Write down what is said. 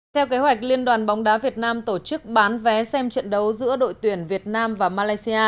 theo kế hoạch liên đoàn bóng đá việt nam tổ chức bán vé xem trận đấu giữa đội tuyển việt nam và malaysia